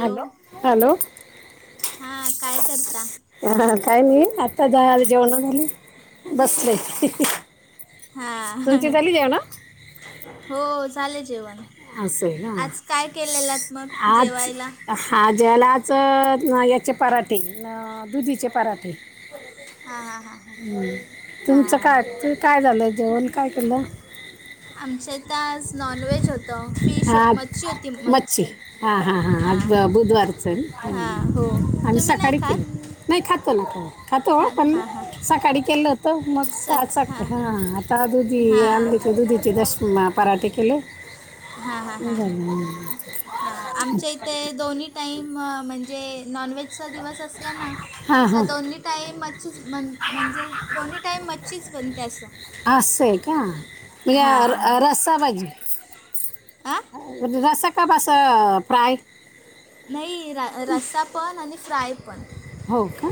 Hello hello. हा काय करता. ह काय नाही आता जायाले जेवणा झाले बसले. हां तुमची झाली जेवन. हो झाले जेवण असं आहे ना आज काय केलेलंत मग आज जेवायला. हा जेवायला आज याचे पराठे दुधीचे पराठे. हा हा हा हा. तुमचं काय काय झालंय जेवण काय केलं. आमच्या आता आज नॉनव्हेज होत आज मच्छी हा हा हा आज हां ब बुधवार च हां हो आम्ही तुम्ही नाही सकाळी केल खात नाही खातो ना खऊ खातो खात पण हां हां सकाळी केलं होतं मग हां आता आ दुधी हां आणली त दुधीची दशमी महा, पराठे केले हा, हा, नाही हा, झालं. हा आमच्या इथे दोन्ही टाईम म्हणजे जे नॉनव्हेजचा दिवस असला ना हां त्या हां दोन्ही टाईम मच्छी च बनते म्हणजे, हा दोन्ही टाईम मच्छी बनते असं असे का हां मग रसां पाहिजे आ रस्सा का असं फ्राय नाही रस्सा पण आणि फ्राय पण हो का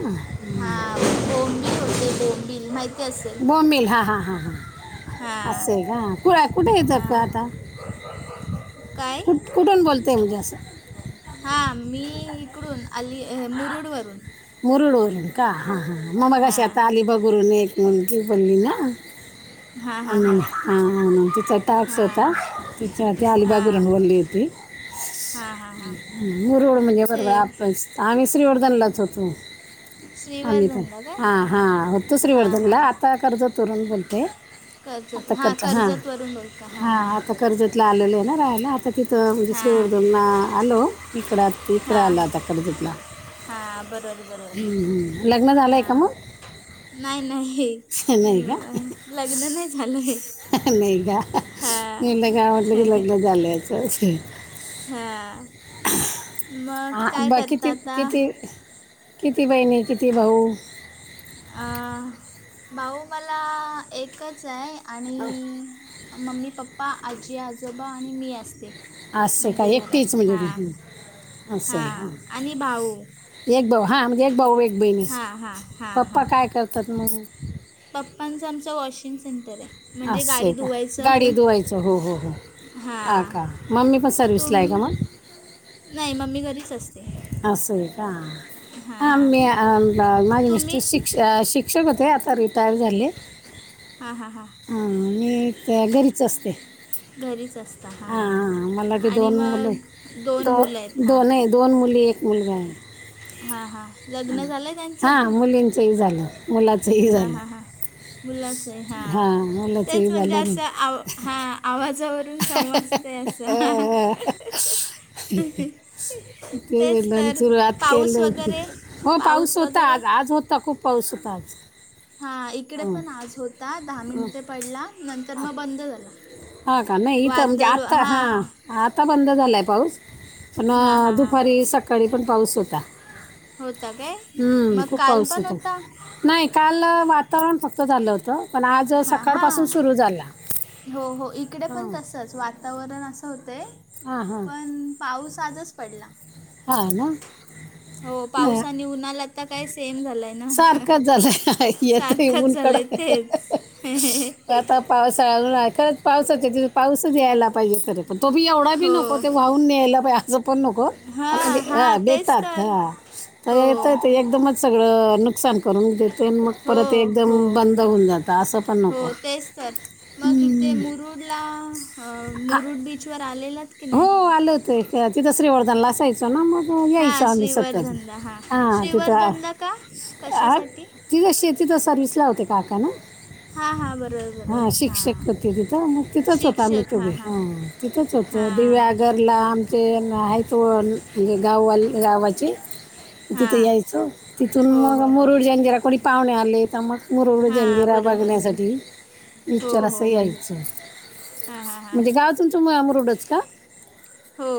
हा बोंबिल होते बोंबिल, माहिती असेल बोंबील हां हां हां हां असं आहे का कुठे येतं का आता ब कुठ कुठून बोलततेय म्हणजे असं हा मी इकडून अली मुरुड वरून मुरुडवर का हा हां ममा कशी आता हां आलीबागुरून एक म्हली बोलली ना हां हां हां आणि तिचा टाक्स हां होता तिचा ती आलीबागूरून हां बोलली होती हां हां हां ते मुरवड म्हणजे ते बर आपण आम्ही श्रीवर्धनला होतो आमही प श्रीवर्धनला काय हा हा होतो हां हां श्रीवर्धनला आता कर्जत वरून बोलते कर्जत आता हां कत हा कर्जतवरून बोलता हा हां आता कर्जतला आलोय ना राहायला आता ते हा म्हणजे हां श्रीवर्धनला आलो इकडं इकडं हां आलोआता कर्जतला हां बरोबर ह बरोबर ह लग्न झाले का हां मग नाही नाही नाही का लग्न नाही झालंय नाही का मी ल का म्हटलं हां की लग्न झालंच हा ह हा ब किती आता किती किती बहिणी किती भाऊ अ भाऊ मला एकच आहे आणि मम्मी पप्पा आजी आजोबा आणि मी असते असं आहे का म्हणजे घरात एकटीच म्हणजे हा तू? हं, असं हा आहे का आणि भाऊ एक भाऊ हा म्हणजे एक भाऊ एक बहिणीस हां हां पप्पा काय करतात मग पप्पांच आमच वॉशिंग सेंटर आहे म्हणजे गाडी असं का धुवायचं गाडी धुवायचं हो हो हो आ हां का मग ममी पण तुम सर्विसला आहे का मग नाही मम्मी घरीच असते अस असं का आ हां म माझे मिस्टर तुम्ही शिक शिक्षक होते आता रिटायर झाले हां हां हां हा मी घरीच असते घरीच असता हा हां हा, मला ते आणि दोन मुले मग दोन मुलं दोन दोन मुली एक मुलगाव हा हा लग्न झालंय त्यांचं तेही झालं मुलाचं हां हां हां मुलांचं हां मुलाचंही तेच म्हणजे झालं नाही असं आव हा आवाजावरून समज ते असं तेच ते तर सुरुवात केली पाऊस हो वगैरे हो पाऊस होता आज आज होता खूप पावसं, पाच हा इकडे पण आज होता दहा मिनिटे पडला नंतर मग बंद झाला हा का नाही इथं म्हणजे वादळ आत्ता हा हां आता बंद झाला आहे पाऊस पण हां हां हां दुपारी सकाळी पण पाऊस होता होता काय हम्म मग खूप काल पाऊस पण होता नाही काल वातावरण फक्त झालं होतं पण आज हां सकाळपासून हां सुरू झाला हो हो इकडे पण हां तसंच वातावरण असं होत हां हां पण पाऊस आजच पडला हा ना हो नाही पावसाने उन्हालात आता काय सेम झालाय ना सारखंच झालं येतं सारखंच झालंय ऊनकडं तेच हम् हम आता पावसाळा खरंच पावसाच तिथ पाऊसच यायला पाहिज खरे पण तो बी एवढा बी नको हो ते व वाहून न्यायला असं पण नको हा म्हणजे हां हां तेच बेतात तर हा हो जे येते ते एकदम बेतात सगळं नुकसान करून देते मग हो परत एकदम हो बंद होऊन जातं असं पण नको हो तेच तर मग इथे मुरुडला मुरुड बीच वर आलेल्यात हो आल होत तिथं श्रीवर्धन ला असायचं चलामग यायचं हां आम्ही सतत श्रीवर्धनला हां हा तिथं श्रीवर्धनला का हा कशासाठी तिथं शेतीिथं सर्विस ला होते काका ना हां हां बरोबर हा बरोबर हां शिक्षक होती तिथं मग तिथच होत आम्ही शिक्षक तुे हां हां हा तिथच होतो त हां दिव्या घरला आमचे आहेत त गाववा गावाचे तिथं हां यायचं तिथून हो मग हो हो मुरुडजन जेरा कोणी पाहुणे आले तर मग मुरड हां जंदिरा बरोबर बघण्यासाठी हो विच्चार हो असही हो याय हां हां हां म्हणजे गावातूनचम अमरडच का हो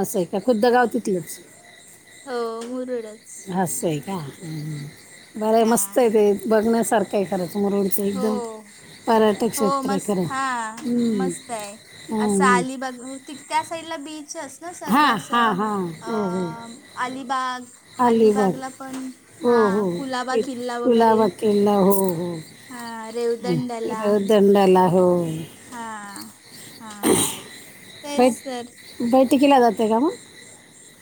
असं आहे का खुद्द गाव तिथ ल हो मुरुडच हसय का ह् बर हां मस्त आहे ते बघण्यासारखंही करायच मुरळी हो हो आहे मस् खरं हा हं. मस्त आहे असं हं, हं. आली बघ ती त्या साईडला बीच अस ना सर्व हां असं हां हां हो हो अलिबाग अलिबाग अलिबागला पण हो हा हो कुलाबा किल्ला वगैरे कुलाबा हो हां रेवदंड्याला हो दंडला हो हां हां तेच सर बेट केेला जाते का मग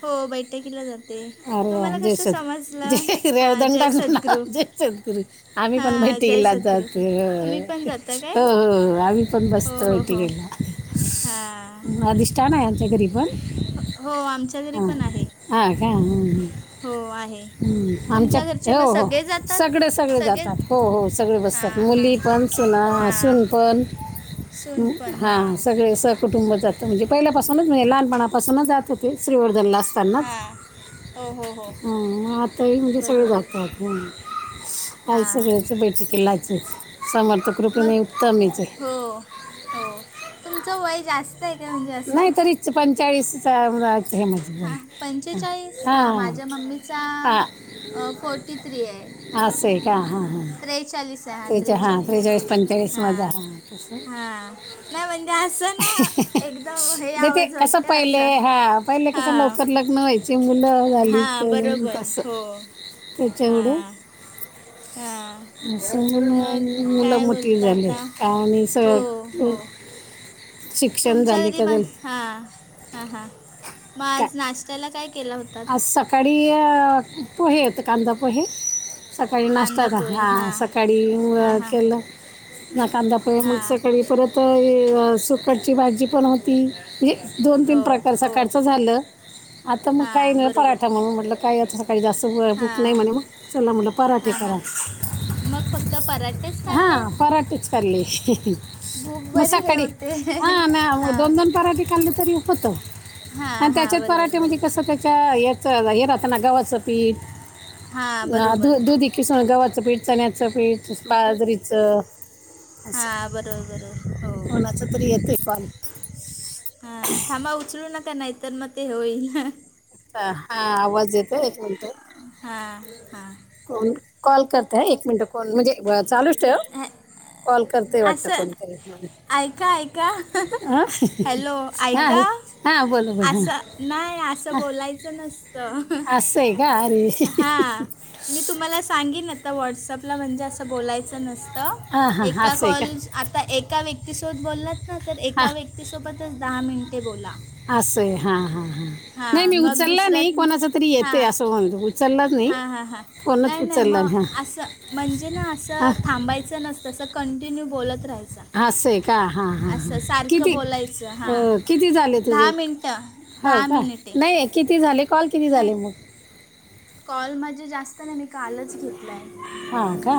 हो बैठकीला जाात अर वा जय सगु हां जयुरेवदंड जय ना सद्गुरू जय सद्गुरी आम्ही पण बैठ हां जय गेला सद्गुरू. जातो तुम्ही पण जाता काय? हो आम्ही पण बसतो बैठिकेला ठी हा हा दिि्ठान आहे आमच्याकडे रिफंड हो आमच्या घरी पण आहे ह का ह हो आणि ् आमच्या हो हो सगळे सगळे जातात हो हो सगळे बसतात हां हां मुली पण सुनासून हां पण सून पण हां सगळे सग कुटुंब जातं म्हणजे पहिल्यापासूनच म लहानपणापासूनच जात होते श्रीवर्धनला अस हा हो हो हो आताही म्हणजे सगळे बरोबर जातात आ हां सगळ्याच बैठकीलाच समर्थक रूपे मग नाही उत्तम याच हो हो तुमचं वय जास्त आहे का म्हणजे नाही असं तरीच पंचाळीस हे म्ह. हां पंचेचाळीस हां माझ्या मम्मीचा आ. फोर्टी थ्री आहे हस का हां हां तेच हां त्रेचाळीस हां पंचाळीसमध्येध्ये ह अस. हां नाही म्हणजे असं ना एकदम हे ते आवाज कस वाटतं पहिले असं हा पहिले कस हां लवकर लग्न व्हायचे मुलं वली हा कून बरोबर कस हो त्याच्याकड. हा हा मग मुलं काय मोठी बोलता झाले आता आणि स. हो. तुमच्या घरी मग हां हां हां मग काय आज नाश्त्याला काय केला होत. आज सकाळी पोहे आहेत कांदा पोहे सकाळी कांदा नाश्तात पोहे हा सकाळी हा मुळं हा केलं ना कांदा पय मग हा सकाळी परत सुकटची भाजी पण होती म्हजे दोन तीन हो प्रकार हो सकाळचं झालं आता मग हा बरोबर मग म्हटलं कायतां सकाळी जास्त हा बूप नाही म्हणे मग चला म्हटलं पराठे हा करा हा मग फक्त पराठेच खाल्ले हा पराटच पले भूक बरी हे मसाकडी होते हा ना म हा दोन दोन पराठे खाल्ले तरीपतो हा आणि हा त्याच्यात बरोबर पराठे म्हणजे कस. बरोबर हेरतान गवाच पीठ हा बरोबर बरोबर दध. किसन गव्हाचं पीठ चण्याचं पीठ बाजरीचं अस हा बरोबर बरोबर हो म छत्रयते पॉण हा थांबा उचलू न का नाहीतर मग ते होईल. हा आवाज येतो एक मिनिट. हां हां. कॉल करत एक मिनिट कोण म्हणजे चालूच ठ हे, कॉल करतेय वाटत असं कोणतरी. ऐका ऐका हा हॅलो हा ऐका हां बोला आा बोला हा. नाही असं बोलायचं नसत असं आहे का अरे हा. मी तुम्हाला सांगेन आता व्हॉट्सअपला म्हणजे असं बोलायचं नसतं हां हां एका असं आहे का कॉलस आता एका व्यक्तीसोब बोललाच ना तर एका व्यक्तीसोबतच दहा मिनिटे बोला. असंय हा हा हा नाही हां मी मग उचलला नाही दुसऱ्यात कोणाच तरी येतय हां असं म्हण. हां हां हां नाही नाही मग असं म्हणजे ना असं हां थांबायचं नसतंसं. कंटिन्यू बोलत. राहायचं हास का हा हा हा असं सारखं किती बोलायचं अ हां किती झाले तुझे. दहा मिनटं हो दहा का मिनिटे नाही किती झाले कॉल किती नाही झाले मग. कॉल माझे जास्त नाही मी कालच घेतलाय. हा का.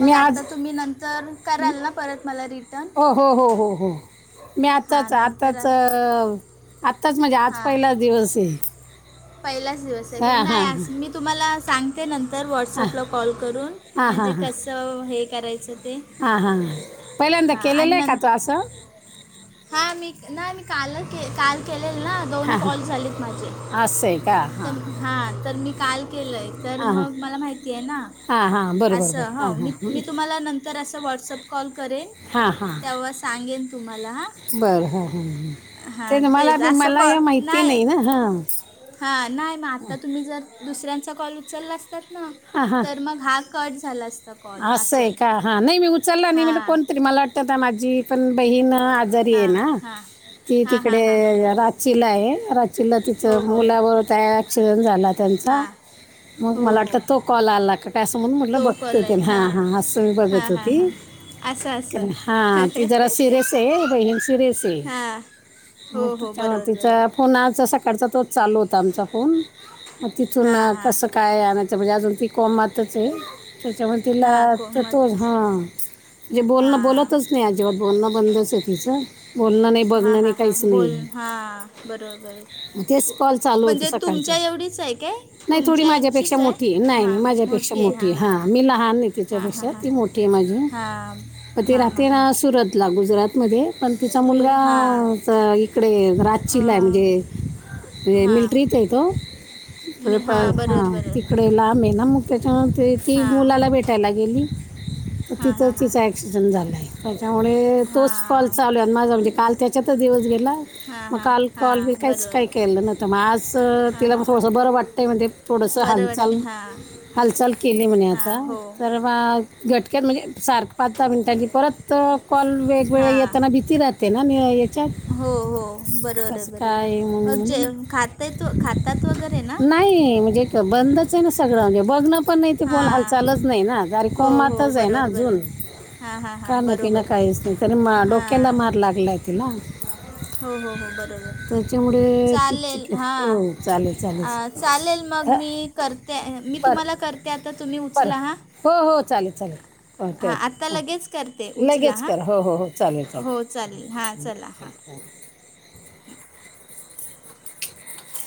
मी आता आज तुम्ही नंतर कराल ना परत मला रिटर्न. हो हो हो हो हो मी हां आत्ताच नंतर आत्ताच आत्ताच म्हणजे आज हां पहिला दिवस आहे. पहिलाच दिवस आहे हां नाही हां आ मी तुम्हाला सांगते नंतर तर हां व्हॉट्सअपला कॉल करून हां हां म्हणजे हां कसं हे करायचं ते. पहिले तर हां केलेलं का तो असं हा मी नाही मी काल के काल केलेल ना दोन कॉल झालेत माझे अस अस आहे का हां. तर हां तर मी काल केलं आहे तर हां हां मग मला माहिती आहे ना. हां हां बरोबर असं बरं हो बरं, मी बरं. मी तुम्हाला नंतर असं व्हॉट्सअप कॉल करेन. हां हां हां हां तेव्हा सांगेन तुम्हाला हा बरं हां हां ते हा ना मला तेच बी- असं मला क या माहिती नाही. ना हां हा नाही मग आता तुम्ही जर दुसऱ्यांचा कॉल उचलला असतात ना हां तर मग हा कट झालं असतं. असं आहे का हा नाही मी उचलला नाही म्हण हां कोणतरी मला वाटत माझी. पण बहीण आजारी आहे हां ना. हां ती हां हां हां तिकडे बरोबर रांचीला आहे रांचीला हो तिथं हो मुलाबत आहे. ॲक्सिडेंट झाला त्यांचा हां मग हो मला हो वाटतं तो कॉल आला का काय असं म्हणून म्हटलं तो बघ. त कॉल आहे हां हां हं मी बघत हां हो हां ती. हां असं हा असं ती जरा सिरेस आहे बहीण सिरेस आहे. हां हो म हो बरोबर तिचां. बरोबर फोन आचा सकाळचा तोच चालू होता आमचा फोन तिथून हां हां कसं. काय आणच्या म्हणजे अजून ती कोमातच आहे त्याच्यामध्ये. तला हां कतो कोमतच झाा. म्हण जे बोलणं हां बोलतच नाही अजिबात बोलणं बंदच आहे तिचं. बोलणं नाही हां बघणं हां नाही हां काहीच बोल हां बरोबबर. ग तेच कॉल चालू होते सकाळचे आहे काय नाही थोडी तुमच्या माझ्यापेक्षा इतकीच मोठी आहे नाही हां नाही माझ्यापेक्षा शा मोठी आहे. हां मी लहान नाही हां हां त्याच्यापेक्षा हां ती मोठी आहे माझी हां हां मग तेी हां हां राहते हां ना सुरत तला गुजरातमध्ये पण तिचा सूर हां मुलगा- इकडे रचीला आहे अं, म्हणजे म्हणे हां मिल्ट्रीच आहे तो. मी हां हा बरोबर तिक. बरोबर पुडेला आंबे ना मग त्याच्या ती हां मुलाला भेटायला गेली. हां तिथं हां हां तिचा क्सिडेंट झालाय त्याच्यामुळे तोच हां पल चाल. माजा म्हणजे काल त्याच्यात दिवस गेला. हां मग हां काल कॉल मी हां काहीच काही बरोबर केलं नतं मग आज हां तिला हां हां थोडसं बरं वाटतंय म्हणजे. थोडस बरं वाटते हालचाल हां हालचाल केली. म्ह हां आ हो तर घटक्यात म्हणजे सार पाच दहा मिनटांनी परत. तर कॉल वेगवेगळे हां येताना भीती राहते ना. याच्यात हो हो बरोबर आहे कसं बरोबर आहे काय मग जे म्हणून खातय तू खात. त्यात वगैरे ना. किं बंदच आहे ना सगळं म्हगे बघणं पण नाही ते बोल हां हालचालच नाही ना आज. गारी हो हो कोमातच आहे ना बरोबर अजून. बरोबर हां हां हां का नाही पिना बरोबर काहीच नाही त हां डोक्याला मार लागलाय तिला. हो हो हो बरोबर त्याच्यामुळे तीचच के हो चालेल. चालेल अ चालेल मग हा, मी करते मी बरं तुम्हाला करते आता तुम्ही बरं उचला हा. हो हो चालेल चालेल. ओटे आत्ता लगेच करते उचला लगेच हां क हो हो हो चालेल चालेल चालेल. हो. ह.